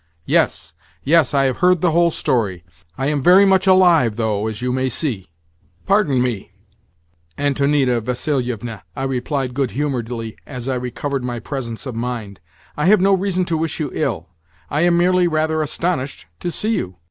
Yes, yes, I have heard the whole story. I am very much alive, though, as you may see." "Pardon me, Antonida Vassilievna," I replied good humouredly as I recovered my presence of mind. "I have no reason to wish you ill. I am merely rather astonished to see you.